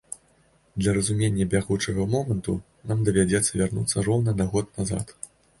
Для разумення бягучага моманту нам давядзецца вярнуцца роўна на год назад.